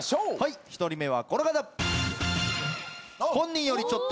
１人目はこの方！